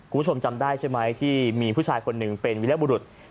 คุณผู้ชมจำได้ใช่ไหมที่มีผู้ชายคนหนึ่งเป็นวิรบุรุษ